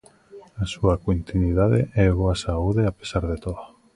A súa continuidade e boa saúde a pesar de todo.